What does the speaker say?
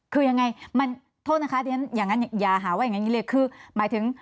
คือยังไงมันโทษนะคะอย่างนั้นอย่าหาว่าอย่างนี้เลยคือหมายถึง